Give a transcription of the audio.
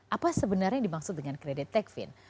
apa sebenarnya dimaksud dengan kredit techfin